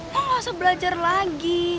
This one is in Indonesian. gak usah belajar lagi